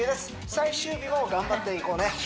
最終日も頑張っていこうね